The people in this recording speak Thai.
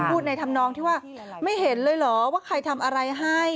ในธรรมนองที่ว่าไม่เห็นเลยเหรอว่าใครทำอะไรให้